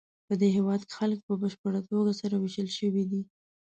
پدې هېواد کې خلک په بشپړه توګه سره وېشل شوي دي.